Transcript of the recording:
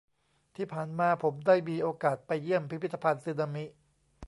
ที่ผ่านมาผมได้มีโอกาสไปเยี่ยมพิพิธภัณฑ์สึนามิ